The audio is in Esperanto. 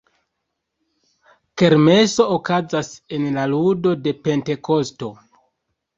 Kermeso okazas en la lundo de Pentekosto.